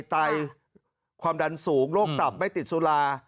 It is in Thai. ไตความดันสูงโรคตับไม่ติดสุรา